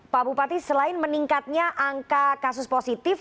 pak bupati selain meningkatnya angka kasus positif